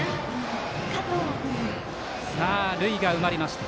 塁が埋まりました。